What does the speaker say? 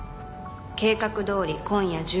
「計画どおり今夜１２時。